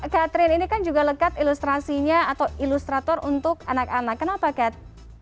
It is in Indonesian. catherine ini kan juga lekat ilustrasinya atau ilustrator untuk anak anak kenapa cat